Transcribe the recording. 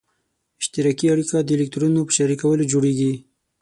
اشتراکي اړیکه د الکترونونو په شریکولو جوړیږي.